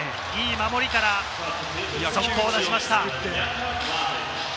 守りから、速攻を出しました。